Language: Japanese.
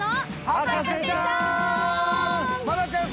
『博士ちゃん』！